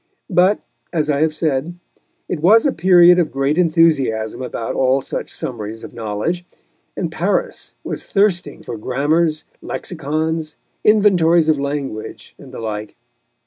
But, as I have said, it was a period of great enthusiasm about all such summaries of knowledge, and Paris was thirsting for grammars, lexicons, inventories of language and the like.